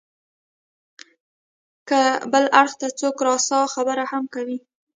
که بل اړخ ته څوک راسا خبره هم کوي.